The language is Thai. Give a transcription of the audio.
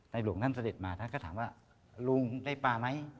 หลวงท่านเสด็จมาท่านก็ถามว่าลุงได้ปลาไหม